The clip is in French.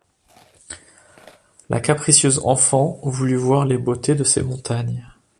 La capricieuse enfant voulut voir les beautés de ces montagnes.